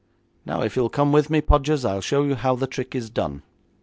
Now, if you'll come with me, Podgers, I'll show you how the trick is done.'